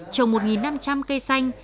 trồng một năm trăm linh cây xanh